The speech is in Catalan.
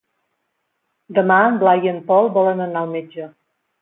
Demà en Blai i en Pol volen anar al metge.